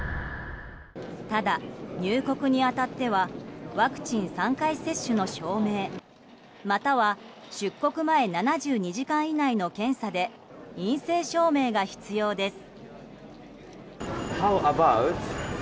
ただ、入国に当たってはワクチン３回接種の証明または出国前７２時間以内の検査で陰性証明が必要です。